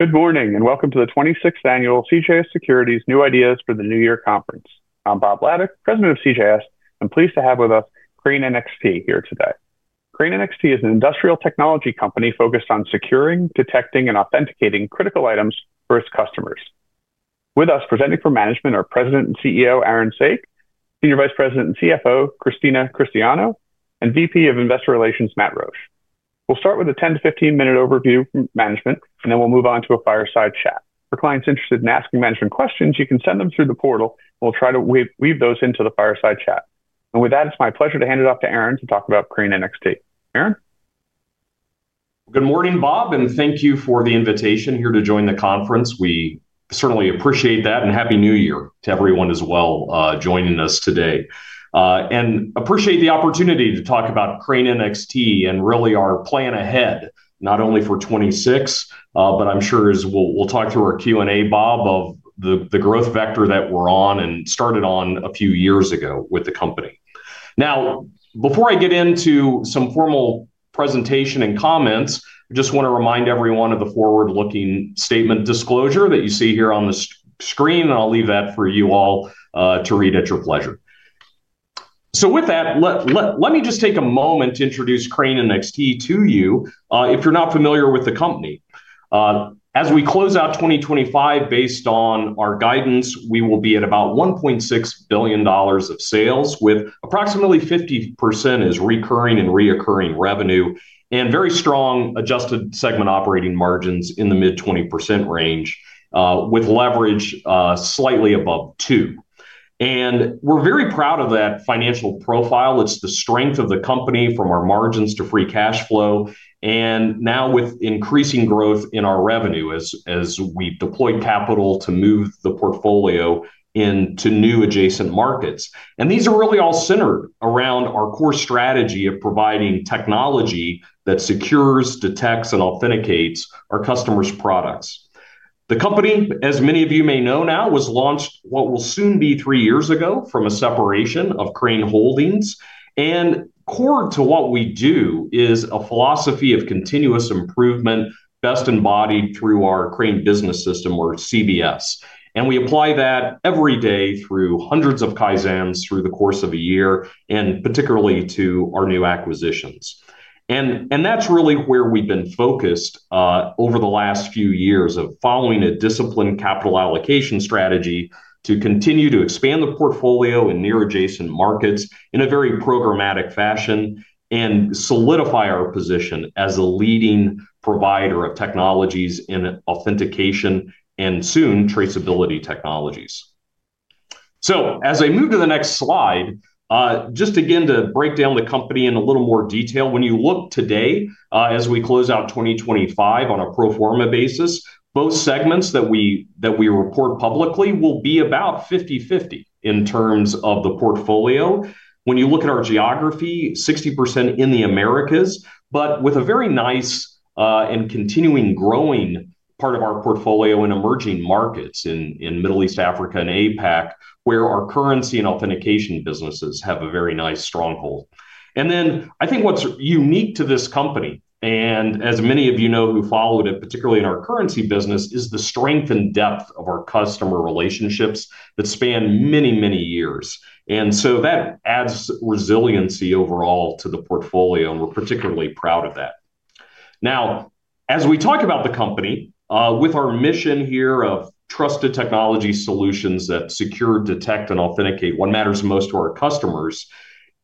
Good morning and welcome to the 26th Annual CJS Securities New Ideas for the New Year Conference. I'm Bob Labick, President of CJS, and pleased to have with us Crane NXT here today. Crane NXT is an industrial technology company focused on securing, detecting, and authenticating critical items for its customers. With us presenting for management are President and CEO Aaron Saak, Senior Vice President and CFO Christina Cristiano, and VP of Investor Relations Matt Roach. We'll start with a 10-15 minute overview from management, and then we'll move on to a fireside chat. For clients interested in asking management questions, you can send them through the portal, and we'll try to weave those into the fireside chat. And with that, it's my pleasure to hand it off to Aaron to talk about Crane NXT. Aaron? Good morning, Bob, and thank you for the invitation here to join the conference. We certainly appreciate that, and happy New Year to everyone as well joining us today, and appreciate the opportunity to talk about Crane NXT and really our plan ahead, not only for 2026, but I'm sure as we'll talk through our Q&A, Bob, of the growth vector that we're on and started on a few years ago with the company. Now, before I get into some formal presentation and comments, I just want to remind everyone of the forward-looking statement disclosure that you see here on the screen, and I'll leave that for you all to read at your pleasure, so with that, let me just take a moment to introduce Crane NXT to you, if you're not familiar with the company. As we close out 2025, based on our guidance, we will be at about $1.6 billion of sales, with approximately 50% as recurring revenue, and very strong adjusted segment operating margins in the mid-20% range, with leverage slightly above two. And we're very proud of that financial profile. It's the strength of the company from our margins to free cash flow, and now with increasing growth in our revenue as we deploy capital to move the portfolio into new adjacent markets. And these are really all centered around our core strategy of providing technology that secures, detects, and authenticates our customers' products. The company, as many of you may know now, was launched what will soon be three years ago from a separation of Crane Holdings. And core to what we do is a philosophy of continuous improvement, best embodied through our Crane Business System, or CBS. And we apply that every day through hundreds of Kaizens through the course of a year, and particularly to our new acquisitions. And that's really where we've been focused over the last few years of following a disciplined capital allocation strategy to continue to expand the portfolio in near adjacent markets in a very programmatic fashion and solidify our position as a leading provider of technologies in authentication and soon traceability technologies. So as I move to the next slide, just again to break down the company in a little more detail, when you look today as we close out 2025 on a pro forma basis, both segments that we report publicly will be about 50/50 in terms of the portfolio. When you look at our geography, 60% in the Americas, but with a very nice and continuing growing part of our portfolio in emerging markets in Middle East, Africa, and APAC, where our currency and authentication businesses have a very nice stronghold, and then I think what's unique to this company, and as many of you know who followed it, particularly in our currency business, is the strength and depth of our customer relationships that span many, many years, and so that adds resiliency overall to the portfolio, and we're particularly proud of that. Now, as we talk about the company, with our mission here of trusted technology solutions that secure, detect, and authenticate what matters most to our customers,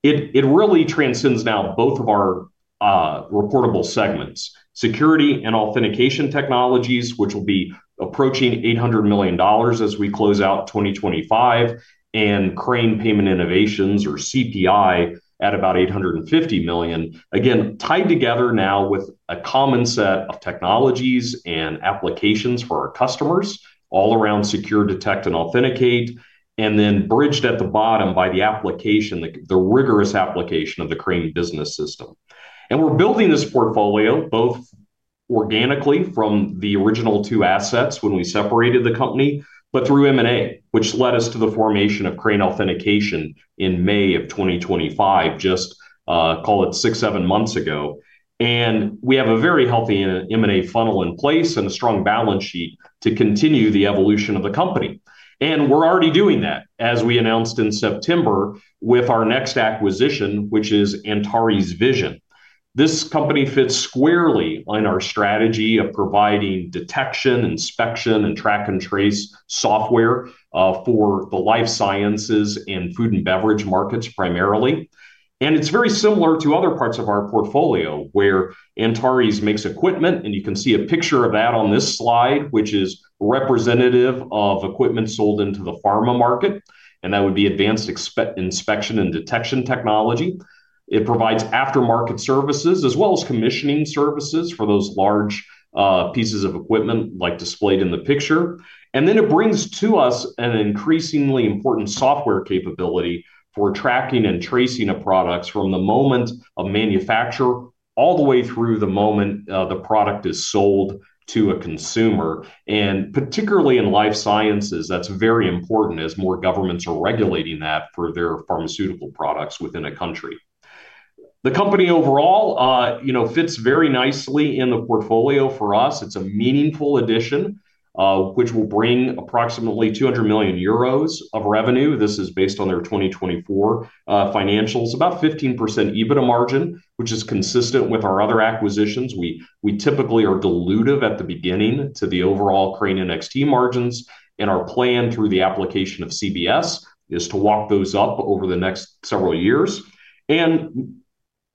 it really transcends now both of our reportable segments: security and authentication technologies, which will be approaching $800 million as we close out 2025, and Crane Payment Innovations, or CPI, at about $850 million. Again, tied together now with a common set of technologies and applications for our customers all around secure, detect, and authenticate, and then bridged at the bottom by the application, the rigorous application of the Crane Business System. And we're building this portfolio both organically from the original two assets when we separated the company, but through M&A, which led us to the formation of Crane Authentication in May of 2025, just call it six, seven months ago. And we have a very healthy M&A funnel in place and a strong balance sheet to continue the evolution of the company. And we're already doing that, as we announced in September with our next acquisition, which is Antares Vision. This company fits squarely on our strategy of providing detection, inspection, and track and trace software for the life sciences and food and beverage markets primarily. And it's very similar to other parts of our portfolio where Antares makes equipment, and you can see a picture of that on this slide, which is representative of equipment sold into the pharma market, and that would be advanced inspection and detection technology. It provides aftermarket services as well as commissioning services for those large pieces of equipment like displayed in the picture. And then it brings to us an increasingly important software capability for track and trace of products from the moment of manufacture all the way through the moment the product is sold to a consumer. And particularly in life sciences, that's very important as more governments are regulating that for their pharmaceutical products within a country. The company overall fits very nicely in the portfolio for us. It's a meaningful addition, which will bring approximately 200 million euros of revenue. This is based on their 2024 financials, about 15% EBITDA margin, which is consistent with our other acquisitions. We typically are dilutive at the beginning to the overall Crane NXT margins, and our plan through the application of CBS is to walk those up over the next several years and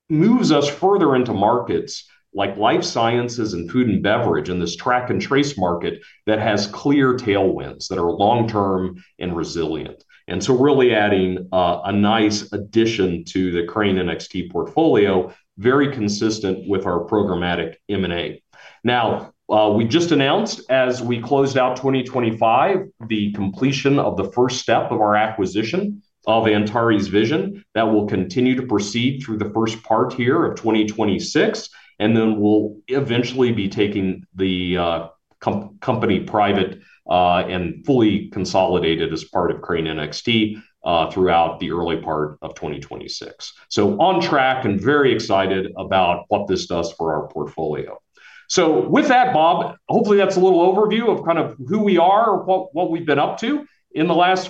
moves us further into markets like life sciences and food and beverage in this track and trace market that has clear tailwinds that are long-term and resilient. And so really adding a nice addition to the Crane NXT portfolio, very consistent with our programmatic M&A. Now, we just announced, as we close out 2025, the completion of the first step of our acquisition of Antares Vision that will continue to proceed through the first part here of 2026, and then we'll eventually be taking the company private and fully consolidated as part of Crane NXT throughout the early part of 2026. So on track and very excited about what this does for our portfolio. So with that, Bob, hopefully that's a little overview of kind of who we are, what we've been up to in the last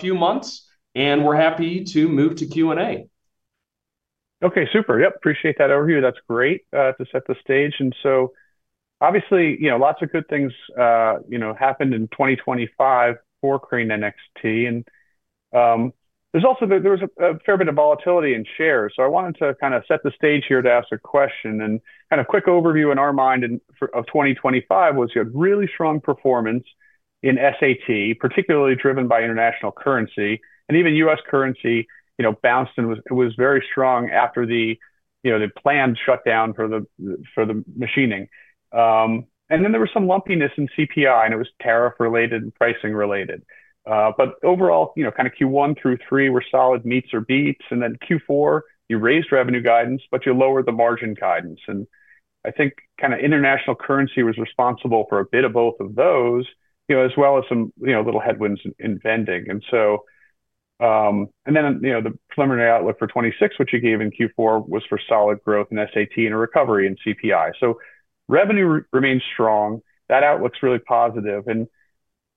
few months, and we're happy to move to Q&A. Okay, super. Yep, appreciate that overview. That's great to set the stage. And so obviously, lots of good things happened in 2025 for Crane NXT, and there's also been a fair bit of volatility in shares. So I wanted to kind of set the stage here to ask a question and kind of quick overview in our mind of 2025 was you had really strong performance in SAT, particularly driven by international currency, and even US currency bounced and was very strong after the planned shutdown for the machining. And then there was some lumpiness in CPI, and it was tariff-related and pricing-related. But overall, kind of Q1 through three were solid meets or beats, and then Q4, you raised revenue guidance, but you lowered the margin guidance. And I think kind of international currency was responsible for a bit of both of those, as well as some little headwinds in vending. And then the preliminary outlook for 2026, which you gave in Q4, was for solid growth in SAT and a recovery in CPI. So revenue remained strong. That outlook's really positive. And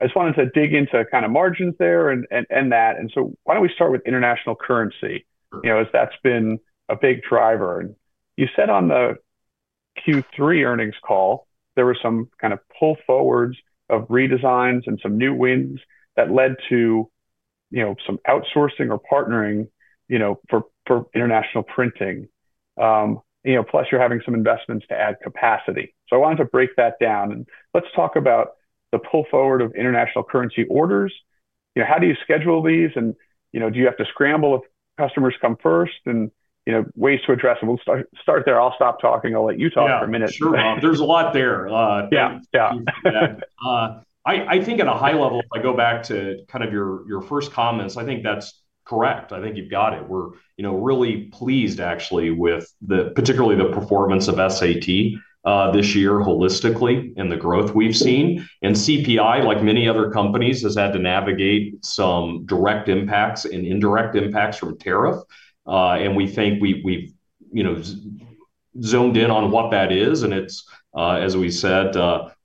I just wanted to dig into kind of margins there and that. And so why don't we start with international currency, as that's been a big driver? And you said on the Q3 earnings call, there were some kind of pull forwards of redesigns and some new wins that led to some outsourcing or partnering for international printing. Plus, you're having some investments to add capacity. So I wanted to break that down, and let's talk about the pull forward of international currency orders. How do you schedule these, and do you have to scramble if customers come first, and ways to address them? We'll start there. I'll stop talking. I'll let you talk for a minute. Yeah, sure. There's a lot there. Yeah, yeah. I think at a high level, if I go back to kind of your first comments, I think that's correct. I think you've got it. We're really pleased, actually, with particularly the performance of SAT this year holistically and the growth we've seen. And CPI, like many other companies, has had to navigate some direct impacts and indirect impacts from tariff. And we think we've zoned in on what that is, and it's, as we said,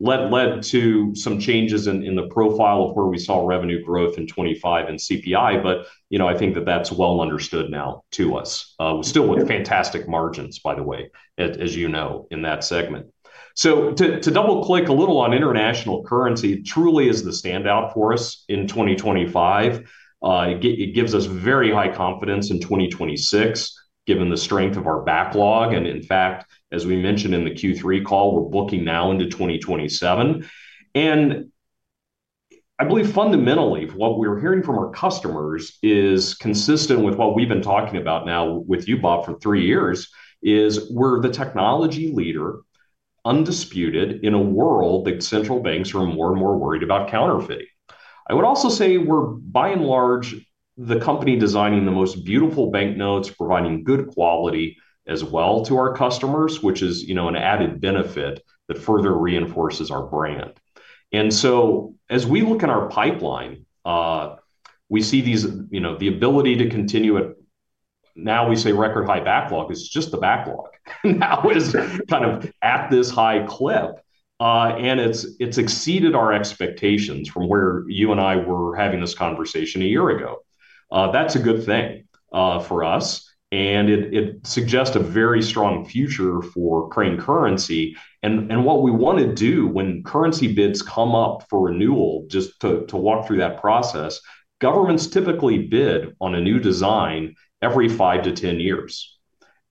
led to some changes in the profile of where we saw revenue growth in 2025 in CPI. But I think that that's well understood now to us. We're still with fantastic margins, by the way, as you know, in that segment. So to double-click a little on international currency, it truly is the standout for us in 2025. It gives us very high confidence in 2026, given the strength of our backlog. In fact, as we mentioned in the Q3 call, we're booking now into 2027. I believe fundamentally, what we're hearing from our customers is consistent with what we've been talking about now with you, Bob, for three years, is we're the technology leader, undisputed, in a world that central banks are more and more worried about counterfeiting. I would also say we're, by and large, the company designing the most beautiful banknotes, providing good quality as well to our customers, which is an added benefit that further reinforces our brand. And so as we look at our pipeline, we see the ability to continue. And now we say record high backlog is just the backlog now is kind of at this high clip, and it's exceeded our expectations from where you and I were having this conversation a year ago. That's a good thing for us, and it suggests a very strong future for Crane Currency. And what we want to do when currency bids come up for renewal, just to walk through that process, governments typically bid on a new design every five to 10 years.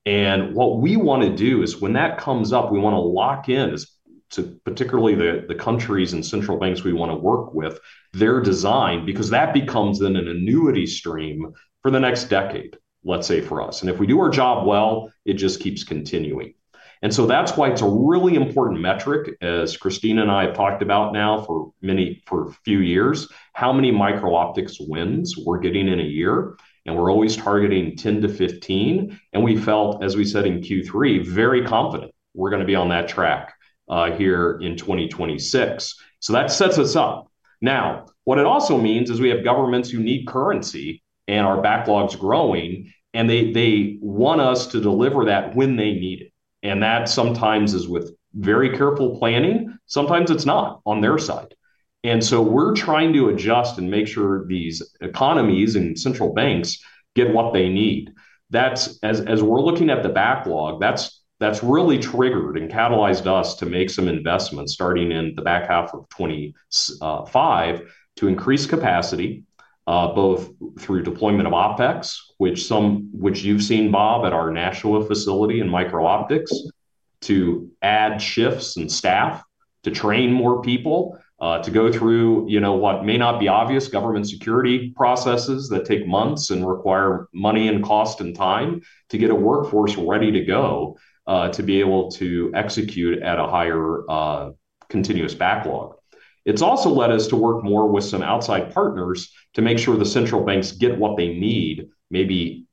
And what we want to do is when that comes up, we want to lock in to particularly the countries and central banks we want to work with their design, because that becomes then an annuity stream for the next decade, let's say for us. And if we do our job well, it just keeps continuing. And so that's why it's a really important metric, as Christina and I have talked about now for a few years, how many micro-optics wins we're getting in a year. And we're always targeting 10-15. And we felt, as we said in Q3, very confident we're going to be on that track here in 2026. So that sets us up. Now, what it also means is we have governments who need currency and our backlog's growing, and they want us to deliver that when they need it. And that sometimes is with very careful planning. Sometimes it's not on their side. And so we're trying to adjust and make sure these economies and central banks get what they need. As we're looking at the backlog, that's really triggered and catalyzed us to make some investments starting in the back half of 2025 to increase capacity, both through deployment of OpEx, which you've seen, Bob, at our Nashua facility in micro-optics, to add shifts and staff to train more people to go through what may not be obvious government security processes that take months and require money and cost and time to get a workforce ready to go to be able to execute at a higher continuous backlog. It's also led us to work more with some outside partners to make sure the central banks get what they need maybe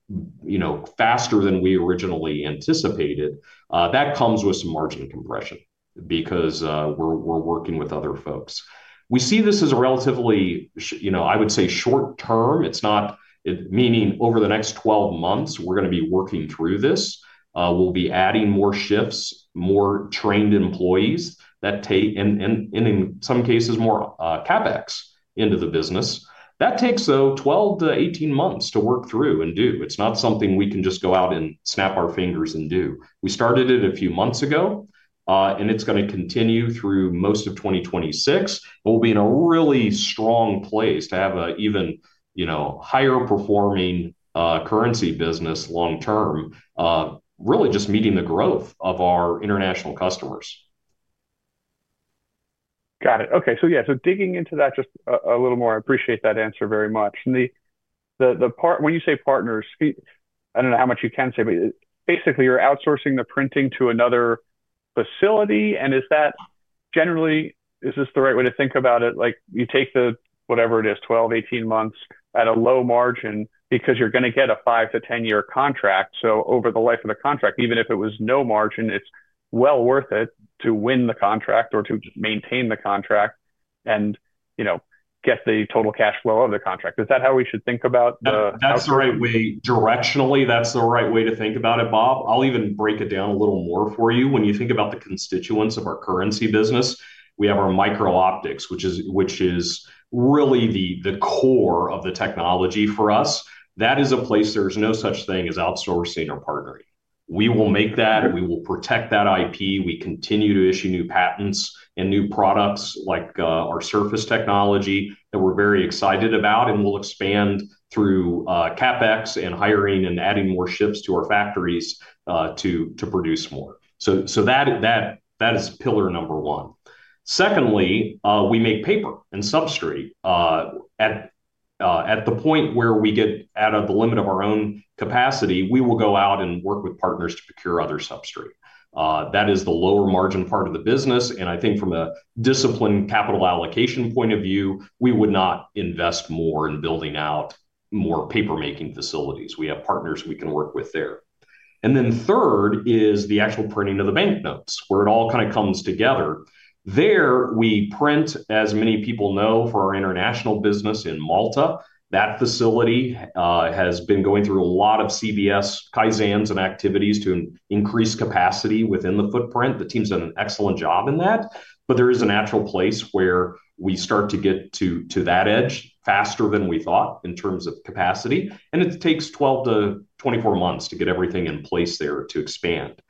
faster than we originally anticipated. That comes with some margin compression because we're working with other folks. We see this as a relatively, I would say, short term. It's not implying over the next 12 months, we're going to be working through this. We'll be adding more shifts, more trained employees, and in some cases, more CapEx into the business. That takes 12 to 18 months to work through and do. It's not something we can just go out and snap our fingers and do. We started it a few months ago, and it's going to continue through most of 2026. We'll be in a really strong place to have an even higher performing currency business long term, really just meeting the growth of our international customers. Got it. Okay. So yeah, so digging into that just a little more, I appreciate that answer very much. And the part when you say partners, I don't know how much you can say, but basically you're outsourcing the printing to another facility. And is that generally, is this the right way to think about it? You take the, whatever it is, 12, 18 months at a low margin because you're going to get a five to 10-year contract. So over the life of the contract, even if it was no margin, it's well worth it to win the contract or to maintain the contract and get the total cash flow of the contract. Is that how we should think about the? That's the right way. Directionally, that's the right way to think about it, Bob. I'll even break it down a little more for you. When you think about the constituents of our currency business, we have our micro-optics, which is really the core of the technology for us. That is a place there is no such thing as outsourcing or partnering. We will make that. We will protect that IP. We continue to issue new patents and new products like our surface technology that we're very excited about, and we'll expand through CapEx and hiring and adding more shifts to our factories to produce more. So that is pillar number one. Secondly, we make paper and substrate. At the point where we get out of the limit of our own capacity, we will go out and work with partners to procure other substrate. That is the lower margin part of the business. And I think from a disciplined capital allocation point of view, we would not invest more in building out more paper-making facilities. We have partners we can work with there. And then third is the actual printing of the banknotes where it all kind of comes together. There we print, as many people know, for our international business in Malta. That facility has been going through a lot of CBS Kaizens and activities to increase capacity within the footprint. The team's done an excellent job in that. But there is a natural place where we start to get to that edge faster than we thought in terms of capacity. And it takes 12 to 24 months to get everything in place there to expand.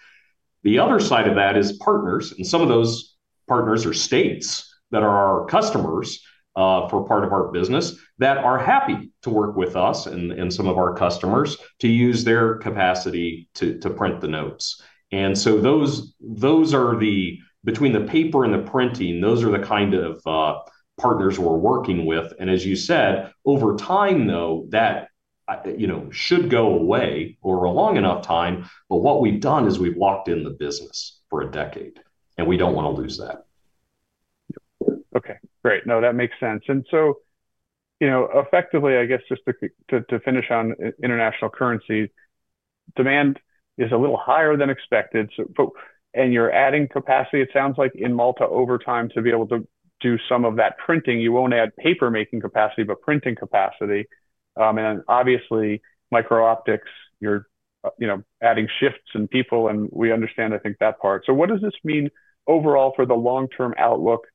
The other side of that is partners. And some of those partners are states that are our customers for part of our business that are happy to work with us and some of our customers to use their capacity to print the notes. And so those are the between the paper and the printing, those are the kind of partners we're working with. And as you said, over time, though, that should go away over a long enough time. But what we've done is we've locked in the business for a decade, and we don't want to lose that. Okay, great. No, that makes sense. And so effectively, I guess just to finish on international currency, demand is a little higher than expected. And you're adding capacity, it sounds like, in Malta over time to be able to do some of that printing. You won't add paper-making capacity, but printing capacity. And obviously, micro-optics, you're adding shifts and people, and we understand, I think, that part. So what does this mean overall for the long-term outlook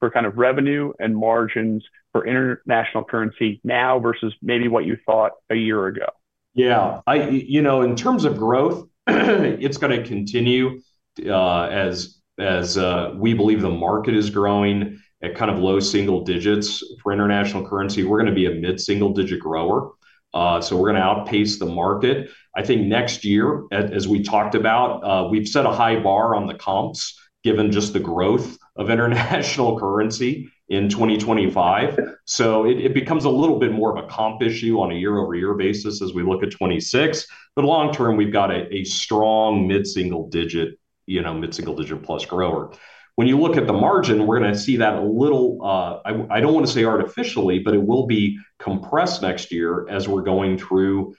for kind of revenue and margins for international currency now versus maybe what you thought a year ago? Yeah. In terms of growth, it's going to continue as we believe the market is growing at kind of low single digits for international currency. We're going to be a mid-single digit grower. So we're going to outpace the market. I think next year, as we talked about, we've set a high bar on the comps given just the growth of international currency in 2025. So it becomes a little bit more of a comp issue on a year-over-year basis as we look at 2026. But long term, we've got a strong mid-single digit, mid-single digit plus grower. When you look at the margin, we're going to see that a little, I don't want to say artificially, but it will be compressed next year as we're going through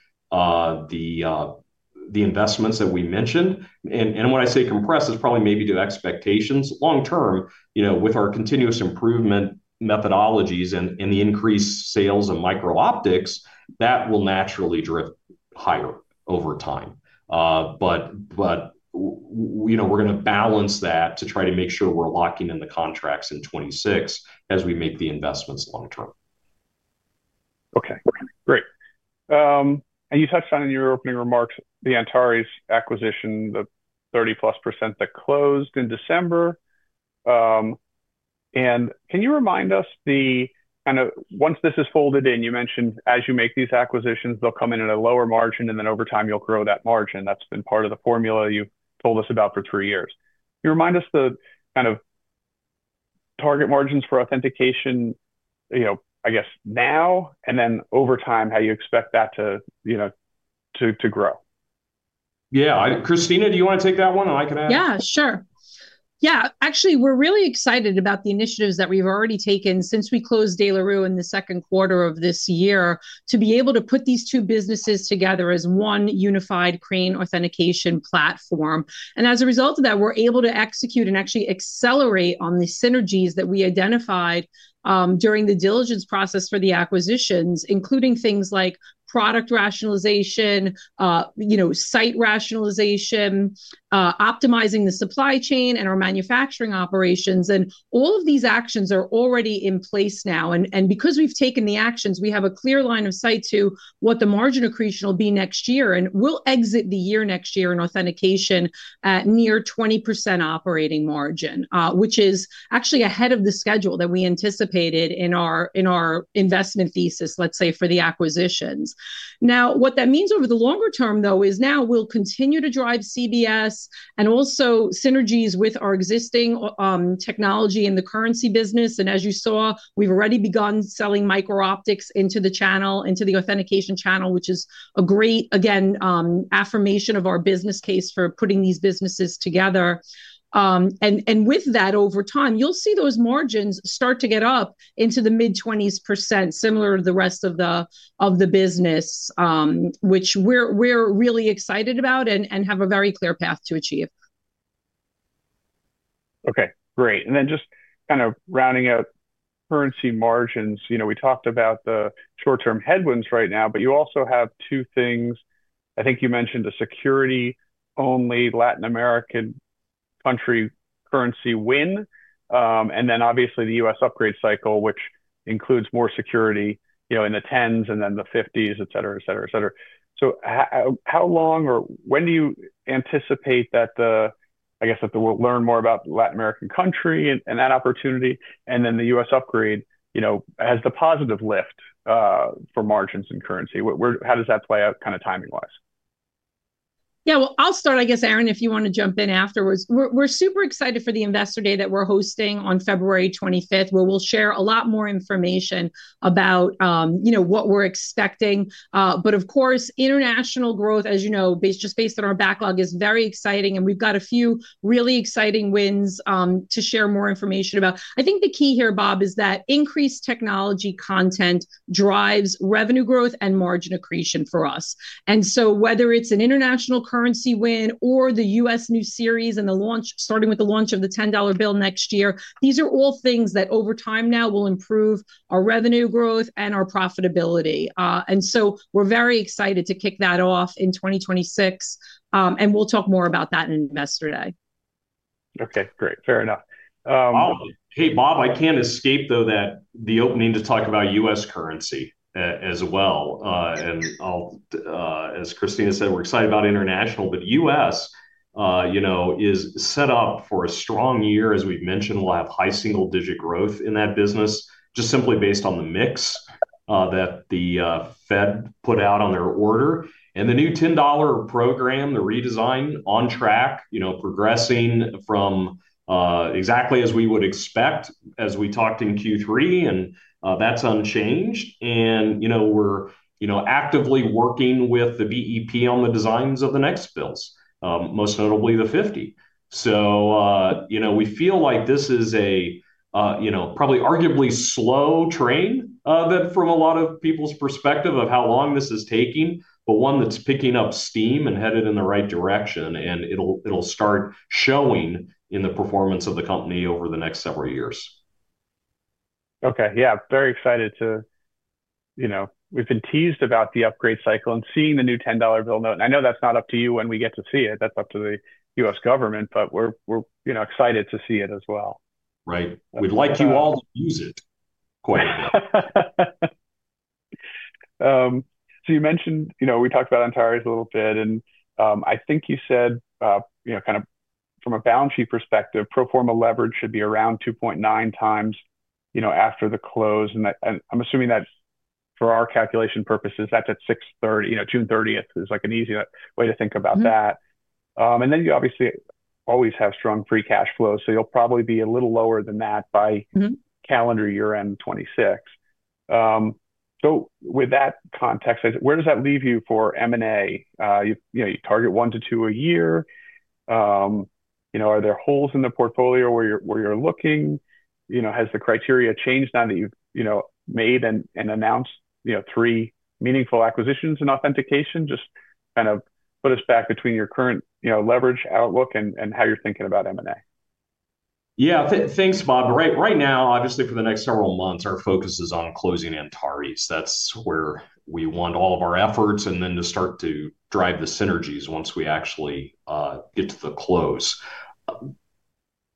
the investments that we mentioned. And when I say compressed, it's probably maybe due to expectations. Long term, with our continuous improvement methodologies and the increased sales of micro-optics, that will naturally drift higher over time, but we're going to balance that to try to make sure we're locking in the contracts in 2026 as we make the investments long term. Okay, great. And you touched on in your opening remarks the Antares acquisition, the 30-plus% that closed in December. And can you remind us the kind of once this is folded in, you mentioned as you make these acquisitions, they'll come in at a lower margin, and then over time you'll grow that margin. That's been part of the formula you've told us about for three years. Can you remind us the kind of target margins for authentication, I guess, now and then over time, how you expect that to grow? Yeah. Christina, do you want to take that one and I can add? Yeah, sure. Yeah. Actually, we're really excited about the initiatives that we've already taken since we closed De La Rue in the second quarter of this year to be able to put these two businesses together as one unified Crane Authentication platform, and as a result of that, we're able to execute and actually accelerate on the synergies that we identified during the diligence process for the acquisitions, including things like product rationalization, site rationalization, optimizing the supply chain and our manufacturing operations, and all of these actions are already in place now, and because we've taken the actions, we have a clear line of sight to what the margin accretion will be next year, and we'll exit the year next year in authentication at near 20% operating margin, which is actually ahead of the schedule that we anticipated in our investment thesis, let's say, for the acquisitions. Now, what that means over the longer term, though, is now we'll continue to drive CBS and also synergies with our existing technology in the currency business. And as you saw, we've already begun selling micro-optics into the channel, into the authentication channel, which is a great, again, affirmation of our business case for putting these businesses together. And with that, over time, you'll see those margins start to get up into the mid-20s%, similar to the rest of the business, which we're really excited about and have a very clear path to achieve. Okay, great. And then just kind of rounding out currency margins, we talked about the short-term headwinds right now, but you also have two things. I think you mentioned a security-only Latin American country currency win, and then obviously the U.S. upgrade cycle, which includes more security in the tens and then the fifties, etc., etc., etc. So how long or when do you anticipate that, I guess, you'll learn more about the Latin American country and that opportunity and then the U.S. upgrade has the positive lift for margins and currency? How does that play out kind of timing-wise? Yeah, well, I'll start, I guess, Aaron, if you want to jump in afterwards. We're super excited for the Investor Day that we're hosting on February 25th, where we'll share a lot more information about what we're expecting, but of course, international growth, as you know, just based on our backlog, is very exciting, and we've got a few really exciting wins to share more information about. I think the key here, Bob, is that increased technology content drives revenue growth and margin accretion for us, and so whether it's an international currency win or the U.S. new series and the launch, starting with the launch of the $10 bill next year, these are all things that over time now will improve our revenue growth and our profitability, and so we're very excited to kick that off in 2026, and we'll talk more about that in Investor Day. Okay, great. Fair enough. Hey, Bob. I can't escape, though, that the opening to talk about U.S. currency as well. And as Christina said, we're excited about international, but U.S. is set up for a strong year. As we've mentioned, we'll have high single digit growth in that business just simply based on the mix that the Fed put out on their order and the new $10 program, the redesign on track, progressing from exactly as we would expect as we talked in Q3. And that's unchanged. And we're actively working with the BEP on the designs of the next bills, most notably the 50. So we feel like this is a probably arguably slow train from a lot of people's perspective of how long this is taking, but one that's picking up steam and headed in the right direction. It'll start showing in the performance of the company over the next several years. Okay. Yeah, very excited to. We've been teased about the upgrade cycle and seeing the new $10 bill note, and I know that's not up to you when we get to see it. That's up to the U.S. government, but we're excited to see it as well. Right. We'd like you all to use it quite a bit. So you mentioned we talked about Antares a little bit. And I think you said kind of from a balance sheet perspective, pro forma leverage should be around 2.9 times after the close. And I'm assuming that for our calculation purposes, that's at June 30th is like an easy way to think about that. And then you obviously always have strong free cash flow. So you'll probably be a little lower than that by calendar year end 2026. So with that context, where does that leave you for M&A? You target one to two a year. Are there holes in the portfolio where you're looking? Has the criteria changed now that you've made and announced three meaningful acquisitions and authentication? Just kind of put us back between your current leverage outlook and how you're thinking about M&A. Yeah. Thanks, Bob. Right now, obviously, for the next several months, our focus is on closing Antares. That's where we want all of our efforts and then to start to drive the synergies once we actually get to the close.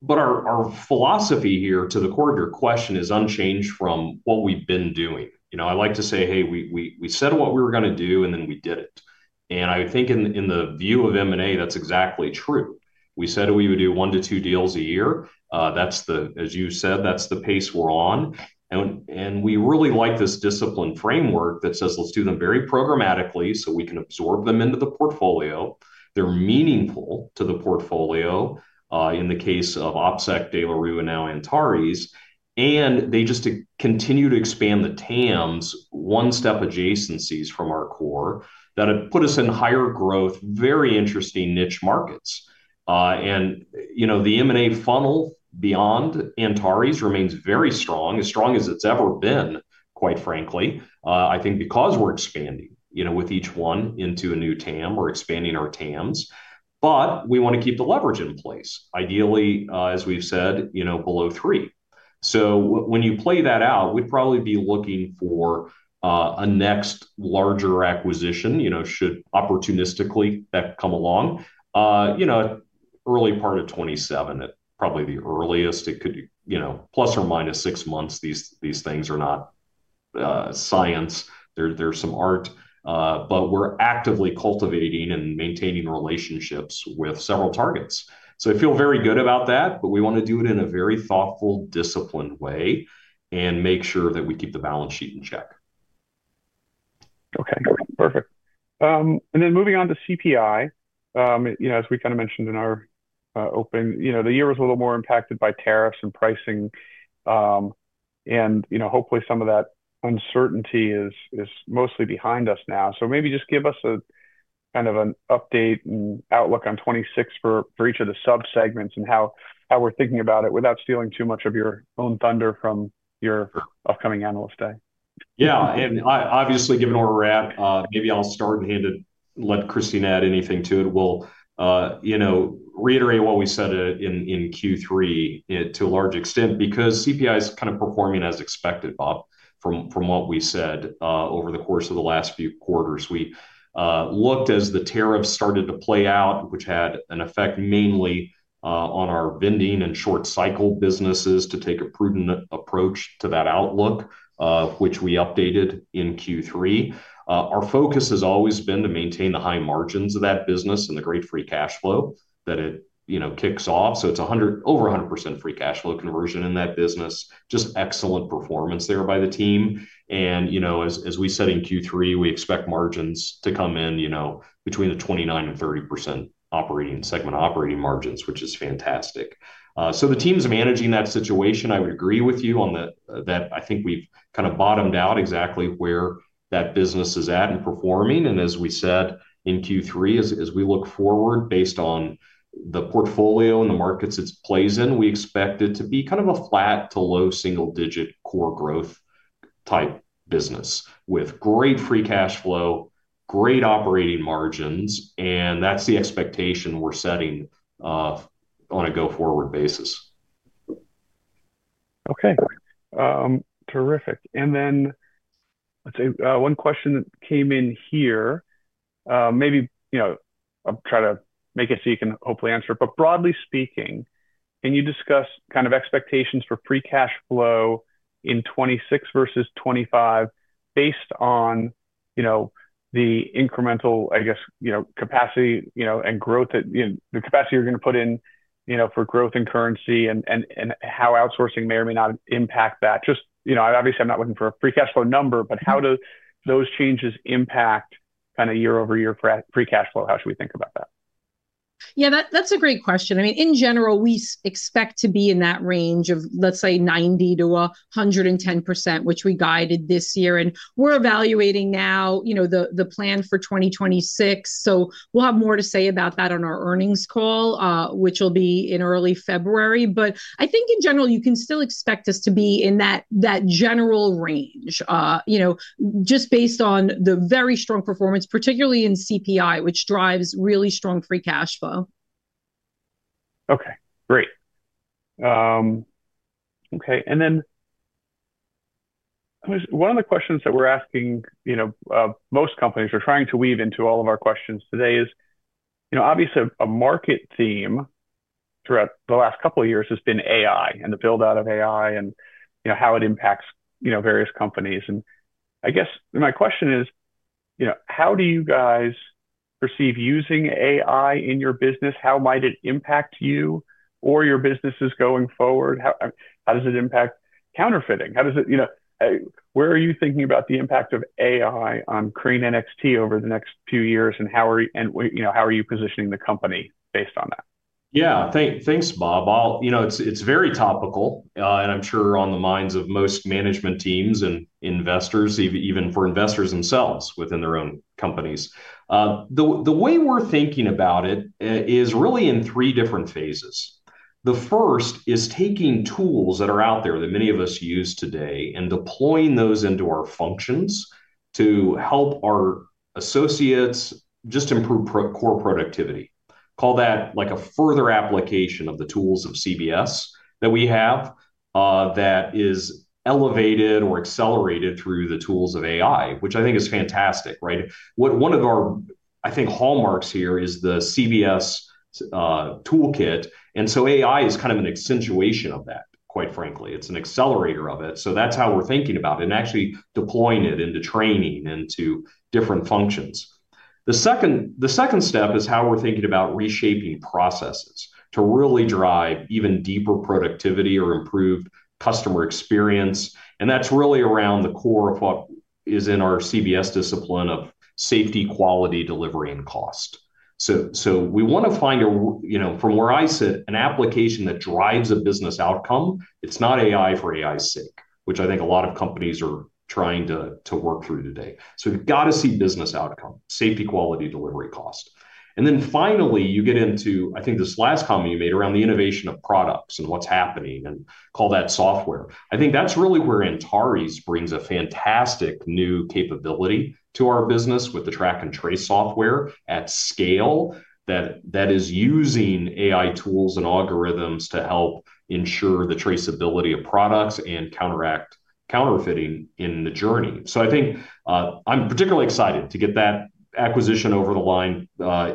But our philosophy here to the core of your question is unchanged from what we've been doing. I like to say, "Hey, we said what we were going to do, and then we did it." And I think in the view of M&A, that's exactly true. We said we would do one to two deals a year. As you said, that's the pace we're on. And we really like this discipline framework that says, "Let's do them very programmatically so we can absorb them into the portfolio. They're meaningful to the portfolio in the case of OpSec, De La Rue, and now Antares." And they just continue to expand the TAMs, one-step adjacencies from our core that have put us in higher growth, very interesting niche markets. And the M&A funnel beyond Antares remains very strong, as strong as it's ever been, quite frankly, I think, because we're expanding with each one into a new TAM. We're expanding our TAMs, but we want to keep the leverage in place, ideally, as we've said, below three. So when you play that out, we'd probably be looking for a next larger acquisition should opportunistically that come along, early part of 2027, probably the earliest. It could be plus or minus six months. These things are not science. There's some art, but we're actively cultivating and maintaining relationships with several targets. So I feel very good about that, but we want to do it in a very thoughtful, disciplined way and make sure that we keep the balance sheet in check. Okay, perfect. And then moving on to CPI, as we kind of mentioned in our open, the year was a little more impacted by tariffs and pricing. And hopefully some of that uncertainty is mostly behind us now. So maybe just give us kind of an update and outlook on 2026 for each of the subsegments and how we're thinking about it without stealing too much of your own thunder from your upcoming analyst day. Yeah, and obviously, given where we're at, maybe I'll start and let Christina add anything to it. We'll reiterate what we said in Q3 to a large extent because CPI is kind of performing as expected, Bob, from what we said over the course of the last few quarters. We looked as the tariffs started to play out, which had an effect mainly on our vending and short-cycle businesses to take a prudent approach to that outlook, which we updated in Q3. Our focus has always been to maintain the high margins of that business and the great free cash flow that it kicks off, so it's over 100% free cash flow conversion in that business. Just excellent performance there by the team, and as we said in Q3, we expect margins to come in between the 29% and 30% operating segment operating margins, which is fantastic. The team's managing that situation. I would agree with you on that. I think we've kind of bottomed out exactly where that business is at and performing. And as we said in Q3, as we look forward based on the portfolio and the markets it plays in, we expect it to be kind of a flat to low single digit core growth type business with great free cash flow, great operating margins. And that's the expectation we're setting on a go-forward basis. Okay. Terrific. And then let's see. One question that came in here. Maybe I'll try to make it so you can hopefully answer. But broadly speaking, can you discuss kind of expectations for free cash flow in 2026 versus 2025 based on the incremental, I guess, capacity and growth, the capacity you're going to put in for growth and currency and how outsourcing may or may not impact that? Just obviously, I'm not looking for a free cash flow number, but how do those changes impact kind of year-over-year free cash flow? How should we think about that? Yeah, that's a great question. I mean, in general, we expect to be in that range of, let's say, 90%-110%, which we guided this year. And we're evaluating now the plan for 2026. So we'll have more to say about that on our earnings call, which will be in early February. But I think in general, you can still expect us to be in that general range just based on the very strong performance, particularly in CPI, which drives really strong free cash flow. And then one of the questions that we're asking most companies are trying to weave into all of our questions today is obviously a market theme throughout the last couple of years has been AI and the build-out of AI and how it impacts various companies. And I guess my question is, how do you guys perceive using AI in your business? How might it impact you or your businesses going forward? How does it impact counterfeiting? Where are you thinking about the impact of AI on Crane NXT over the next few years? And how are you positioning the company based on that? Yeah. Thanks, Bob. It's very topical, and I'm sure on the minds of most management teams and investors, even for investors themselves within their own companies. The way we're thinking about it is really in three different phases. The first is taking tools that are out there that many of us use today and deploying those into our functions to help our associates just improve core productivity. Call that like a further application of the tools of CBS that we have that is elevated or accelerated through the tools of AI, which I think is fantastic, right? One of our, I think, hallmarks here is the CBS toolkit. And so AI is kind of an accentuation of that, quite frankly. It's an accelerator of it. So that's how we're thinking about it and actually deploying it into training and to different functions. The second step is how we're thinking about reshaping processes to really drive even deeper productivity or improved customer experience, and that's really around the core of what is in our CBS discipline of safety, quality, delivery, and cost. So we want to find, from where I sit, an application that drives a business outcome. It's not AI for AI's sake, which I think a lot of companies are trying to work through today, so we've got to see business outcome, safety, quality, delivery, cost, and then finally, you get into, I think, this last comment you made around the innovation of products and what's happening and call that software. I think that's really where Antares brings a fantastic new capability to our business with the track and trace software at scale that is using AI tools and algorithms to help ensure the traceability of products and counteract counterfeiting in the journey. So I think I'm particularly excited to get that acquisition over the line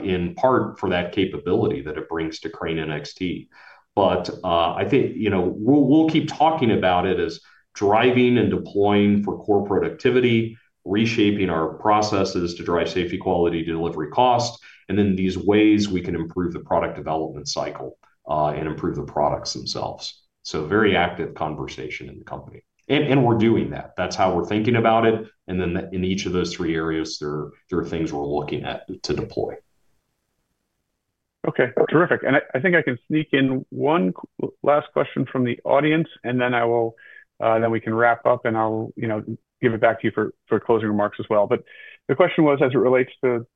in part for that capability that it brings to Crane NXT. But I think we'll keep talking about it as driving and deploying for core productivity, reshaping our processes to drive safety, quality, delivery, cost, and then these ways we can improve the product development cycle and improve the products themselves. So very active conversation in the company. And we're doing that. That's how we're thinking about it. And then in each of those three areas, there are things we're looking at to deploy. Okay. Terrific. And I think I can sneak in one last question from the audience, and then we can wrap up and I'll give it back to you for closing remarks as well. But the question was, as it relates to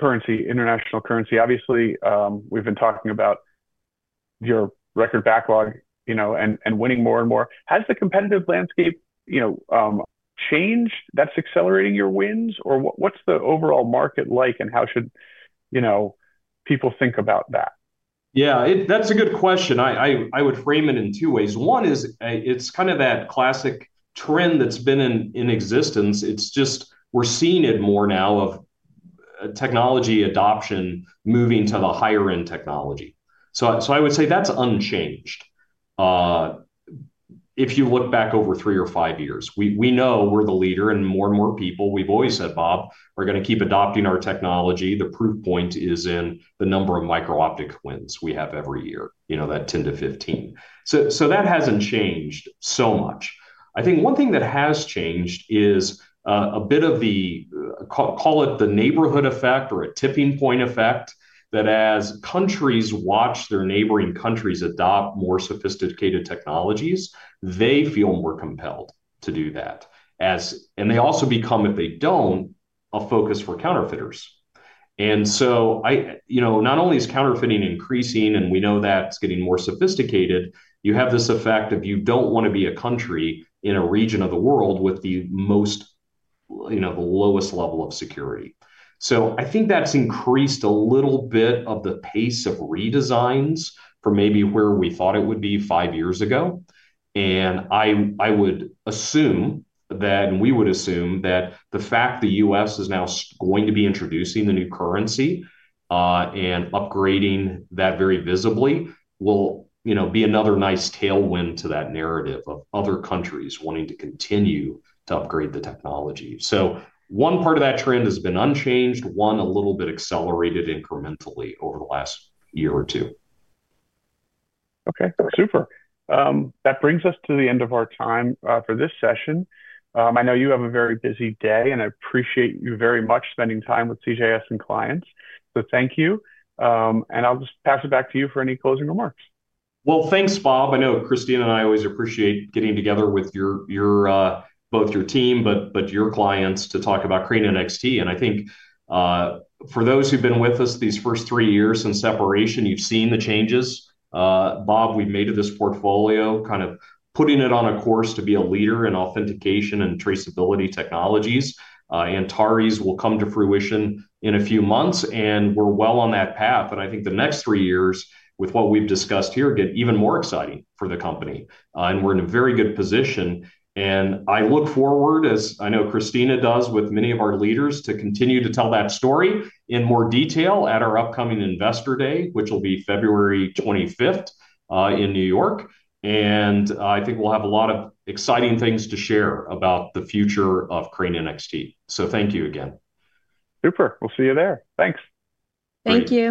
currency, international currency, obviously, we've been talking about your record backlog and winning more and more. Has the competitive landscape changed that's accelerating your wins? Or what's the overall market like and how should people think about that? Yeah, that's a good question. I would frame it in two ways. One is it's kind of that classic trend that's been in existence. It's just we're seeing it more now of technology adoption moving to the higher-end technology. So I would say that's unchanged. If you look back over three or five years, we know we're the leader and more and more people, we've always said, Bob, are going to keep adopting our technology. The proof point is in the number of micro-optic wins we have every year, that 10 to 15. So that hasn't changed so much. I think one thing that has changed is a bit of the, call it the neighborhood effect or a tipping point effect that as countries watch their neighboring countries adopt more sophisticated technologies, they feel more compelled to do that. And they also become, if they don't, a focus for counterfeiters. And so, not only is counterfeiting increasing and we know that it's getting more sophisticated, you have this effect of you don't want to be a country in a region of the world with the lowest level of security. So I think that's increased a little bit of the pace of redesigns for maybe where we thought it would be five years ago. And I would assume that, and we would assume that the fact the U.S. is now going to be introducing the new currency and upgrading that very visibly will be another nice tailwind to that narrative of other countries wanting to continue to upgrade the technology. So one part of that trend has been unchanged, one a little bit accelerated incrementally over the last year or two. Okay. Super. That brings us to the end of our time for this session. I know you have a very busy day, and I appreciate you very much spending time with CJS and clients. So thank you. And I'll just pass it back to you for any closing remarks. Thanks, Bob. I know Christina and I always appreciate getting together with both your team, but your clients to talk about Crane NXT. I think for those who've been with us these first three years in separation, you've seen the changes. Bob, we've made it this portfolio, kind of putting it on a course to be a leader in authentication and traceability technologies. Antares will come to fruition in a few months, and we're well on that path. I think the next three years with what we've discussed here get even more exciting for the company. We're in a very good position. I look forward, as I know Christina does with many of our leaders, to continue to tell that story in more detail at our upcoming investor day, which will be February 25th in New York. I think we'll have a lot of exciting things to share about the future of Crane NXT. Thank you again. Super. We'll see you there. Thanks. Thank you.